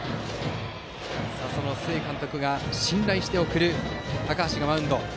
その須江監督が信頼して送る高橋がマウンド。